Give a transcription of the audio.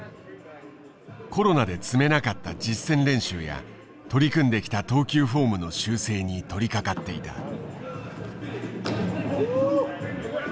コロナで積めなかった実戦練習や取り組んできた投球フォームの修正に取りかかっていた。